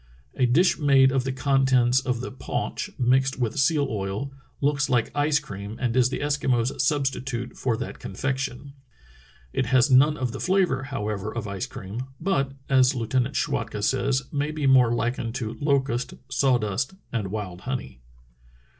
A dish made of the contents of the paunch, mixed with seal oil, looks like ice cream and is the Eskimos' substitute for that con fection." It has none of the flavor, however, of ice cream, but, as Lieutenant Schwatka says, may be more likened to locust, sawdust and zvild honey.